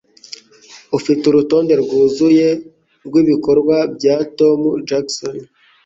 Ufite urutonde rwuzuye rwibikorwa bya Tom Jackson?